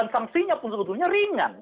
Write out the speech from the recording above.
dan sanksinya pun sebetulnya riak